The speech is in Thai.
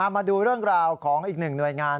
มาดูเรื่องราวของอีกหนึ่งหน่วยงาน